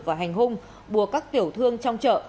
và hành hung buộc các tiểu thương trong chợ